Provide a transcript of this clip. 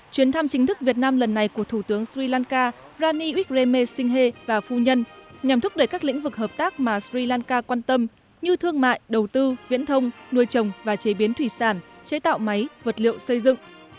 chuyến thăm chính thức việt nam lần này của thủ tướng sri lanka ranikreme singhe và phu nhân nhằm thúc đẩy các lĩnh vực hợp tác mà sri lanka quan tâm như thương mại đầu tư viễn thông nuôi trồng và chế biến thủy sản chế tạo máy vật liệu xây dựng